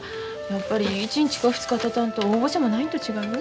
やっぱり１日か２日たたんと応募者もないんと違う？